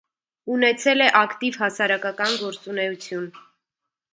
Ունեցել է ակտիվ հասարակական գործունեություն։